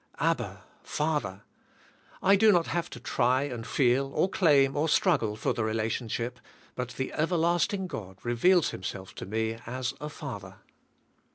"Abba, Father," I do not have to tr}^ and feel, or claim, or struggle for the relationship, but the Everlasting God reveals Himself to me as a Father.